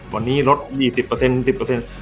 วันนี้รถ๒๐เปอร์เซ็นต์๑๐เปอร์เซ็นต์